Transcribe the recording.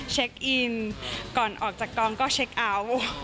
เช็กอินก่อนออกจากกองก็เช็กอัล